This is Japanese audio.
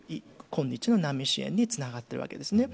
今日の難民支援につながっているわけです。